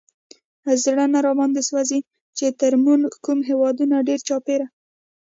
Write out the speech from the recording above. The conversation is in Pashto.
زړه نه راباندې سوزي، چې تر مونږ کوم هېوادونه دي چاپېره